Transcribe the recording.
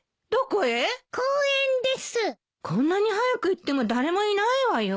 こんなに早く行っても誰もいないわよ。